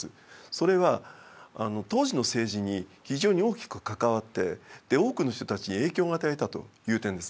それは当時の政治に非常に大きく関わって多くの人たちに影響を与えたという点ですね。